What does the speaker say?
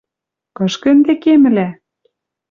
Кышкы ӹнде кемӹлӓ?